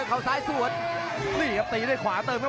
ต้องบอกว่าคนที่จะโชคกับคุณพลน้อยสภาพร่างกายมาต้องเกินร้อยครับ